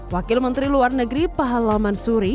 wakil menteri luar negeri pahala mansuri